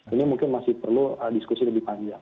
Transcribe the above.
ini mungkin masih perlu diskusi lebih panjang